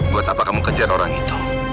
buat apa kamu kerjain orang itu